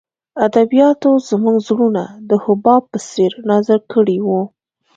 ادبیاتو زموږ زړونه د حباب په څېر نازک کړي وو